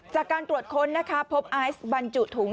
จากการตรวจค้นนะคะพบไอซ์บรรจุถุง